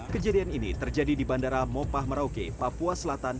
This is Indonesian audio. kejadian ini terjadi di bandara mopah merauke papua selatan